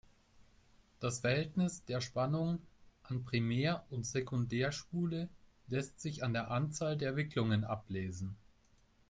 Das Verhältnis der Spannung an Primär- und Sekundärspule lässt sich an der Anzahl der Wicklungen ablesen.